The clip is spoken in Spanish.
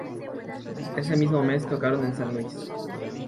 Ese mismo mes tocaron en San Luis.